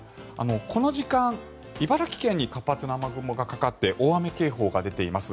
この時間、茨城県に活発な雨雲がかかって大雨警報が出ています。